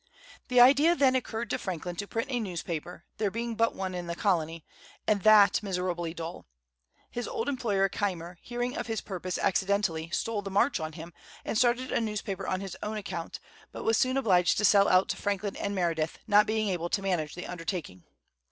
The idea then occurred to Franklin to print a newspaper, there being but one in the colony, and that miserably dull. His old employer Keimer, hearing of his purpose accidentally, stole the march on him, and started a newspaper on his own account, but was soon obliged to sell out to Franklin and Meredith, not being able to manage the undertaking.